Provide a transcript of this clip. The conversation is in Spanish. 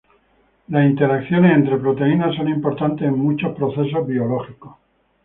Las interacciones entre proteínas son importantes en muchos procesos biológicos.